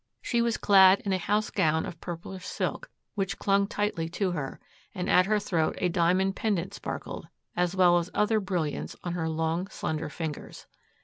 She was clad in a house gown of purplish silk which clung tightly to her, and at her throat a diamond pendant sparkled, as well as other brilliants on her long, slender fingers.